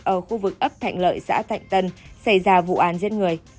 ở khu vực ấp thạnh lợi xã thạnh tân xảy ra vụ án giết người